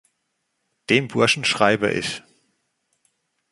Dem Burschen schreibe ich.